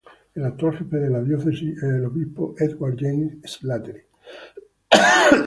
El actual jefe de la Diócesis es el Obispo Edward James Slattery.